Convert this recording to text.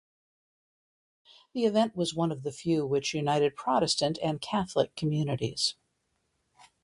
The event was one of the few which united Protestant and Catholic communities.